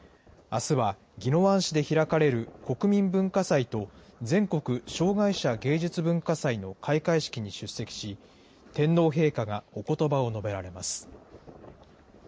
あすは宜野湾市で開かれる国民文化祭と全国障害者芸術・文化祭の開会式に出席し、天皇陛下がおことばを述べられます。